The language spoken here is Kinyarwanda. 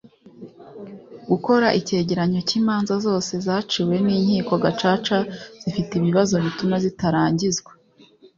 gukora icyegeranyo cy imanza zose zaciwe n inkiko gacaca zifite ibibazo bituma zitarangizwa